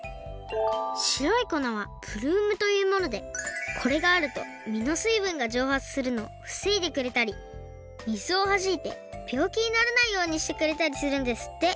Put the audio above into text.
しろいこなはブルームというものでこれがあるとみのすいぶんがじょうはつするのをふせいでくれたり水をはじいてびょうきにならないようにしてくれたりするんですって。